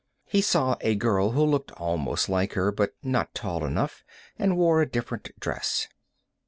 He saw a girl who looked almost like her, but was not tall enough and wore a different dress.